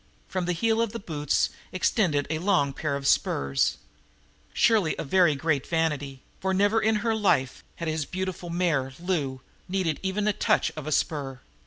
From the heels of the boots extended a long pair of spurs surely a very great vanity, for never in her life had his beautiful mare, Lou, needed even the touch of a spur.